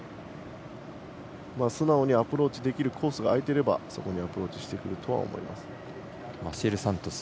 素直にアプローチできるコースが空いていればそこにアプローチしてくるとは思います。